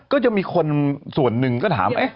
ก็จะมีคนส่วนหนึ่งก็ถาม